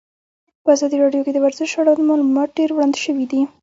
په ازادي راډیو کې د ورزش اړوند معلومات ډېر وړاندې شوي.